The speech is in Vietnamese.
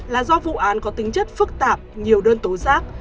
là do vụ án có tính chất phức tạp nhiều đơn tố giác